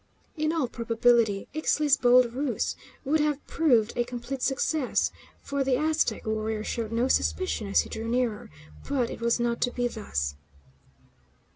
In all probability, Ixtli's bold ruse would have proved a complete success, for the Aztec warrior showed no suspicion as he drew nearer; but it was not to be thus.